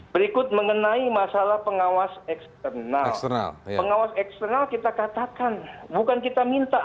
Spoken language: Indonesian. berikut mengenai masalah pengawas eksternal pengawas eksternal kita katakan bukan kita minta